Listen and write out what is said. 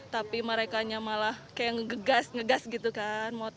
tapi mereka malah ngegas gitu kan